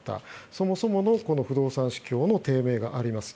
そもそもの、この不動産市況の低迷があります。